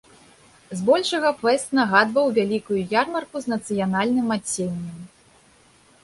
З большага фэст нагадваў вялікую ярмарку з нацыянальным адценнем.